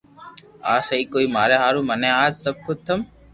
آ سھي ڪوئي ماري ھارو مني اج سب ختم